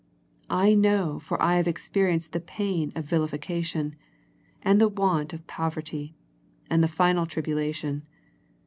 I know for I have ex perienced the pain of vilification, and the want of poverty, and the final tribulation.